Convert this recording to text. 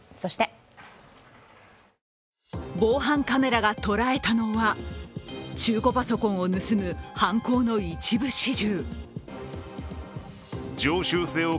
防犯カメラが捉えたのは中古パソコンを盗む犯行の一部始終。